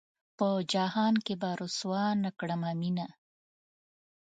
پۀ جهان کښې به رسوا نۀ کړمه مينه